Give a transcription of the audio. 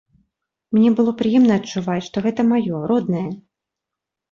Мне было прыемна адчуваць, што гэта маё, роднае.